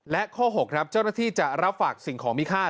และข้อ๖ครับเจ้าหน้าที่จะรับฝากสิ่งของมีค่า